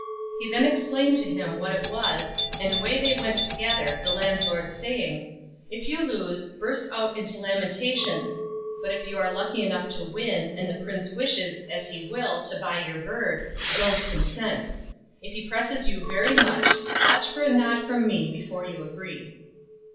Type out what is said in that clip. He then explained to him what it was, and away they went together, the landlord saying, "If you lose, burst out into lamentations ; but if you are lucky enough to win, and the prince wishes, as he will, to buy your bird, don't consent. If he presses you very much watch for a nod from me before you agree."